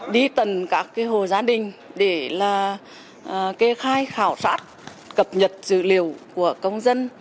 đi tần các hồ gia đình để kê khai khảo sát cập nhật dữ liệu của công dân